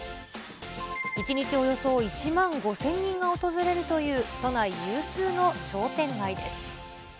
１日およそ１万５０００人が訪れるという都内有数の商店街です。